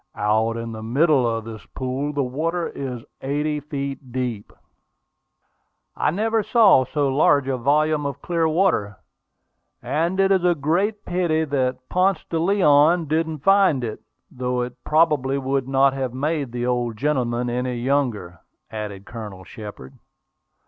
"Out in the middle of this pool, the water is eighty feet deep." "I never saw so large a volume of clear water; and it is a great pity that Ponce de Leon didn't find it, though it probably would not have made the old gentleman any younger," added Colonel Shepard.